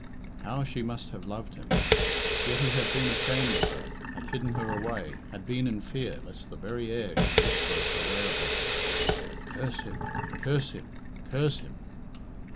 How she must have loved him! Yet he had been ashamed of her, had hidden her away, had been in fear lest the very air should whisper of her whereabouts. Curse him! Curse him! Curse him!